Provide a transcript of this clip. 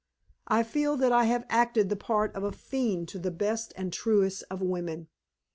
I feel that I have acted the part of a fiend to the best and truest of women.